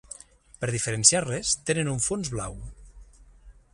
Per diferenciar-les, tenen un fons blau.